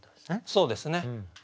そうですね。